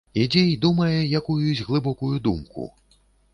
Ідзе і думае якуюсь глыбокую думку.